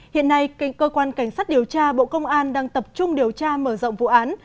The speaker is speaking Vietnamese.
hiện nay cơ quan cảnh sát điều tra bộ công an đang tập trung điều tra mở rộng vụ án